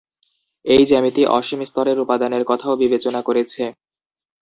এই জ্যামিতি অসীম স্তরের উপাদানের কথাও বিবেচনা করেছে।